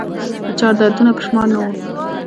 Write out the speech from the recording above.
د چا دردونه په شمار نه وه